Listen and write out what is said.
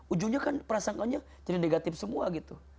ujungnya kan perasaan kalian jadi negatif semua gitu